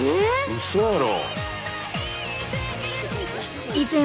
うそやろ。